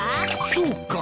そうか。